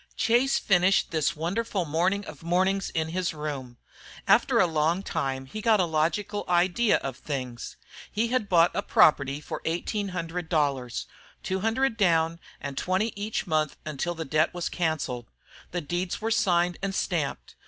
Chase finished this wonderful morning of mornings in his room. After a long time he got a logical idea of things. He had bought a property for eighteen hundred dollars, two hundred down and twenty each month until the debt was cancelled. The deeds were signed and stamped.